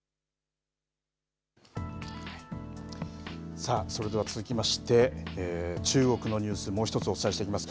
さあそれでは続きまして、中国のニュース、もう１つお伝えしていきます。